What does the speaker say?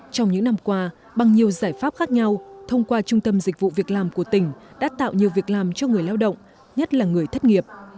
trong những năm qua bằng nhiều giải pháp khác nhau thông qua trung tâm dịch vụ việc làm của tỉnh đã tạo nhiều việc làm cho người lao động nhất là người thất nghiệp